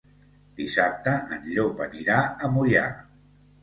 Dissabte en Llop anirà a Moià.